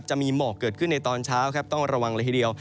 จะมีหมอกเกิดขึ้นในตอนเช้าครับต้องระวังเลยทีเดียว